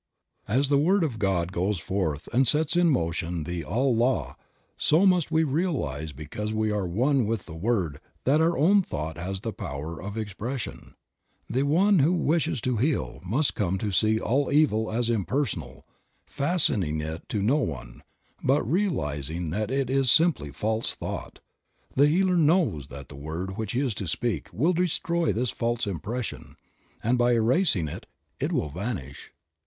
As the word of God goes forth and sets in motion the all law, so must we realize because we are one with the word that our own thought has the power of expression. The one who wishes to heal must come to see all evil as impersonal, fastening it to no one, but realizing that it is simply false thought ; the healer knows that the word which he is to speak will destroy this false impression; and by erasing it, it will vanish.